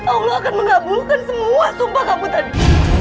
allah akan mengabulkan semua sumpah kamu tadi